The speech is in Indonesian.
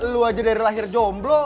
lu aja dari lahir jomblo